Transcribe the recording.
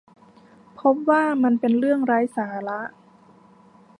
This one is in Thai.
พบว่ามันเป็นเรื่องไร้สาระ